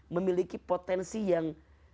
memiliki potensi yang